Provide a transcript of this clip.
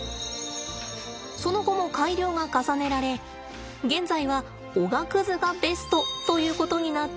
その後も改良が重ねられ現在はおがくずがベストということになっています。